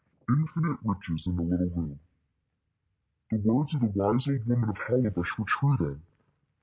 "Infinite riches in a little room." The words of the wise old woman of Hollowbush were true, then.